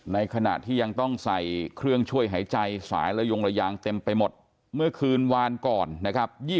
ในขณะที่ยังต้องใส่เครื่องช่วยหายใจสายระยงระยางเต็มไปหมดเมื่อคืนวานก่อนนะครับ